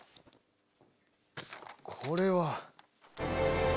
これは！